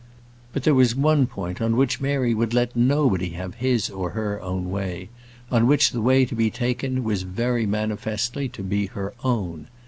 But there was one point on which Mary would let nobody have his or her own way; on which the way to be taken was very manifestly to be her own.